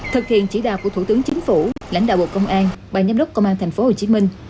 thực hiện chỉ đạo của thủ tướng chính phủ lãnh đạo bộ công an và giám đốc công an thành phố hồ chí minh